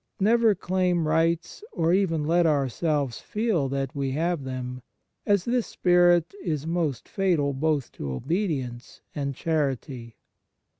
Never claim rights or even let ourselves feel that we have them, as this spirit is most fatal both to obedience and charity.